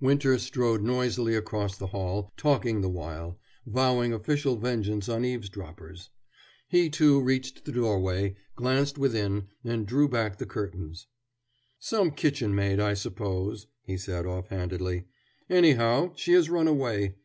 Winter strode noisily across the hall, talking the while, vowing official vengeance on eavesdroppers. He, too, reached the doorway, glanced within, and drew back the curtains. "Some kitchen maid, I suppose," he said off handedly. "Anyhow, she has run away.